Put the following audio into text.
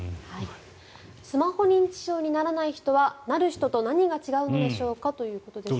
スマホ認知症にならない人はなる人とどう違うのでしょうかということです。